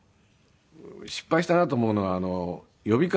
失敗したなと思うのは呼び方をね